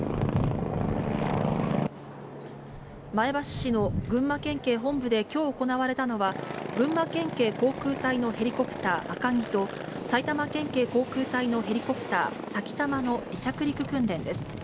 前橋市の群馬県警本部できょう行われたのは、群馬県警航空隊のヘリコプターあかぎと、埼玉県警航空隊のヘリコプターさきたまの離着陸訓練です。